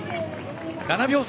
７秒差。